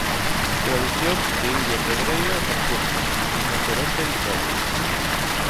Tradución de Iria Pedreira Sanjurjo, Rinoceronte Editora.